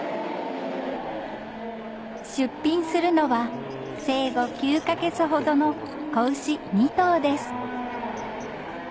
出品するのは生後９か月ほどの子牛２頭です